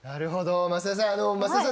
増田さん